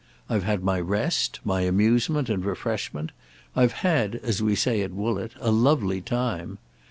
I've had my rest, my amusement and refreshment; I've had, as we say at Woollett, a lovely time.